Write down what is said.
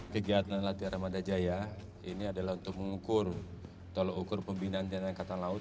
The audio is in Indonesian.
kegiatan latihan armada jaya ini adalah untuk mengukur tolok ukur pembinaan tni angkatan laut